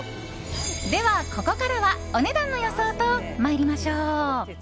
では、ここからはお値段の予想と参りましょう。